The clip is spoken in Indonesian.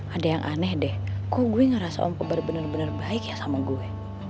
ada yang aneh deh kok gue ngerasa om pebar bener bener baik ya sama gue